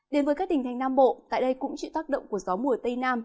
đến với các tỉnh thành nam bộ tại đây cũng chịu tác động của gió mùa tây nam